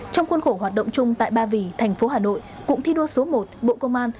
trong khuôn khổ hoạt động chung tại ba vì thành phố hà nội cụm thi đua số một bộ công an